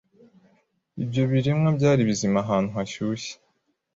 ibyo biremwa byari bizima ahantu hashyushye